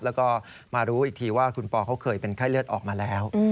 แล้วก็มารู้อีกทีว่าคุณปอเขาเคยเป็นไข้เลือดออกมาแล้ว